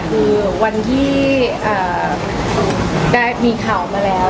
คือวันที่ได้มีข่าวมาแล้ว